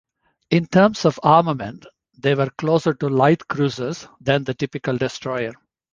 In terms of armament, they were closer to light cruisers than the typical destroyer.